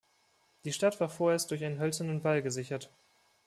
Die Stadt war vorerst durch einen hölzernen Wall gesichert.